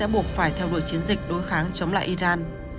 buộc phải theo đuổi chiến dịch đối kháng chống lại iran